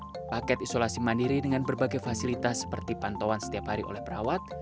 pembelian paket isolasi mandiri dengan berbagai fasilitas seperti pantauan setiap hari oleh perawat